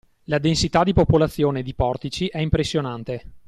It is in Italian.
La densità di popolazione di Portici è impressionante!